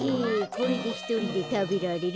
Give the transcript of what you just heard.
これでひとりでたべられる。